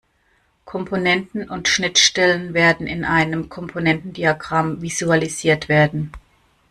Komponenten und Schnittstellen werden in einem Komponentendiagramm visualisiert werden.